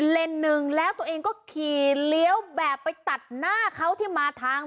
เล่นหนึ่งแล้วตัวเองก็ขี่เลี้ยวแบบไปตัดหน้าเขาที่มาทาง